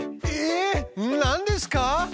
え何ですか？